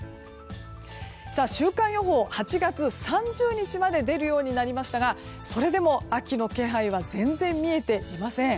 週間予報、８月３０日まで出るようになりましたがそれでも秋の気配は全然見えていません。